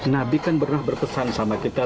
nabi kan pernah berpesan sama kita